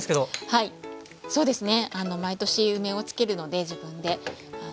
⁉はいそうですね。